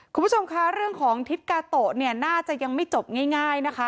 คุณผู้ชมคะเรื่องของทิศกาโตะเนี่ยน่าจะยังไม่จบง่ายนะคะ